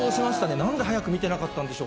何で早く見てなかったんでしょう？